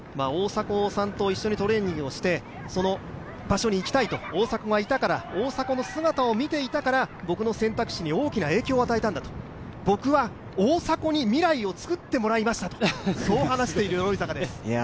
大迫さんと一緒にトレーニングをしてその場所に行きたいと、大迫がいたから、大迫の姿を見ていたから僕の選択肢に大きな影響を与えたんだと、僕は大迫に未来をつくってもらいましたと、そう話している鎧坂です。